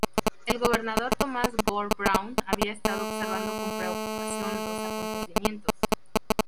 El gobernador Thomas Gore Browne había estado observando con preocupación los acontecimientos.